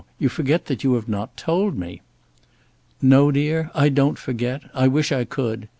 You forget that you have not told me." "No, my dear, I don't forget; I wish I could.